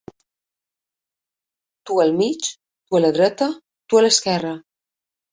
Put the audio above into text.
Tu al mig, tu a la dreta, tu a l'esquerra.